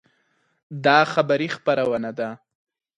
دا خبري خپرونه ده